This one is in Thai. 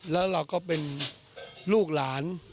แล้วเราก็เป็นลูกหลาน